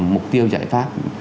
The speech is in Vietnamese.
mục tiêu giải pháp